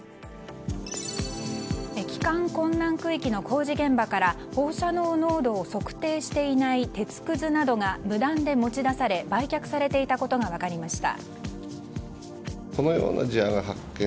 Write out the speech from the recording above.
帰還困難区域の工事現場から放射能濃度を測定していない鉄くずなどが無断で持ち出され売却されていたことが分かりました。